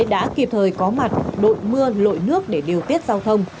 đã kịp thời có mặt đội mưa lội nước để điều tiết giao thông